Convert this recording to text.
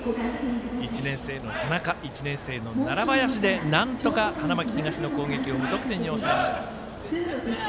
１年生の田中１年生の楢林でなんとか、花巻東の攻撃無得点で抑えました。